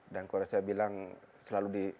dan kalau saya bilang selalu di